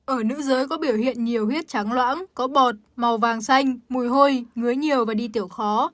ở nữ giới có biểu hiện nhiều huyết trắng loãng có bọt màu vàng xanh mùi hôi ngứa nhiều và đi tiểu khó